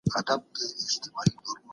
مهرباني وکړئ د اقتصاد په اړه کتابونه ولولئ.